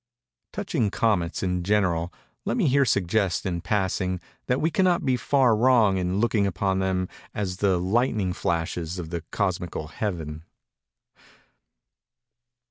—Touching comets, in general, let me here suggest, in passing, that we cannot be far wrong in looking upon them as the lightning flashes of the cosmical Heaven.